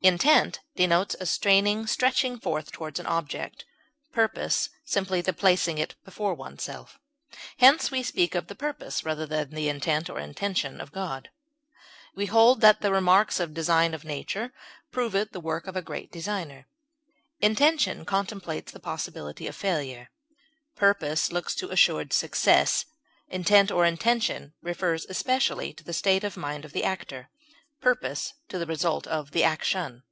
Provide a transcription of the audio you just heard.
Intent denotes a straining, stretching forth toward an object; purpose simply the placing it before oneself; hence, we speak of the purpose rather than the intent or intention of God. We hold that the marks of design in nature prove it the work of a great Designer. Intention contemplates the possibility of failure; purpose looks to assured success; intent or intention refers especially to the state of mind of the actor; purpose to the result of the action.